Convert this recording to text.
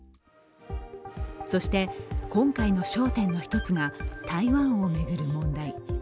そして、今回の焦点の一つが台湾を巡る問題。